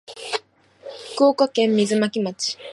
福岡県水巻町